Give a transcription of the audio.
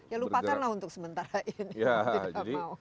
ya lupakanlah untuk sementara ini